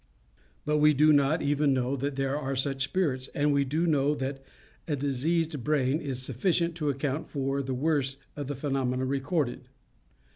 "But we do not even know that there are such spirits, and we do know that a diseased brain is sufficient to account for the worst of the phenomena recorded."